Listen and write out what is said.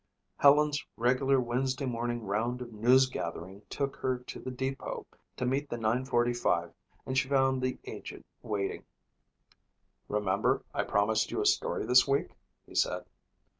Helen's regular Wednesday morning round of news gathering took her to the depot to meet the nine forty five and she found the agent waiting. "Remember I promised you a story this week?" he said.